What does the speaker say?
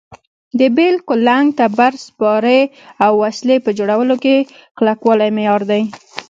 د بېل، کولنګ، تبر، سپارې او وسلې په جوړولو کې کلکوالی معیار دی.